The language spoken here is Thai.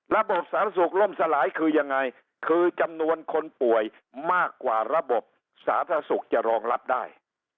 ระบบสาธารณสุขล่มสลายคือยังไงคือจำนวนคนป่วยมากกว่าระบบสาธารณสุขจะรองรับได้